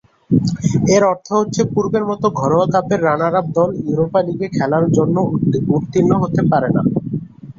এর অর্থ হচ্ছে পূর্বের মতো ঘরোয়া কাপের রানার-আপ দল ইউরোপা লীগে খেলার জন্য উত্তীর্ণ হতে পারে না।